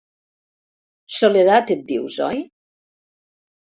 Soledat et dius, oi?